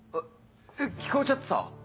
聞こえちゃってた？